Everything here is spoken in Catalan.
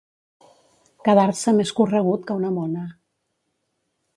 Quedar-se més corregut que una mona.